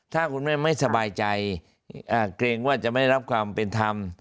ถ้าคุณแม่ไม่สบายใจเกรงว่าจะไม่ได้รับความเป็นธรรม